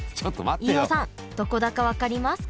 飯尾さんどこだか分かりますか？